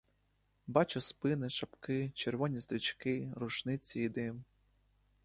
Бачу спини, шапки, червоні стрічки, рушниці й дим.